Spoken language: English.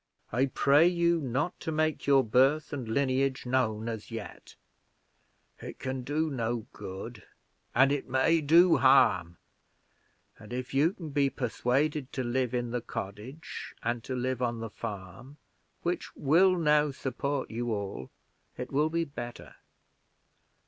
I pray you not to make your birth and lineage known as yet it can do no good, and it may do harm and if you can be persuaded to live in the cottage, and to live on the farm, which will now support you all, it will be better.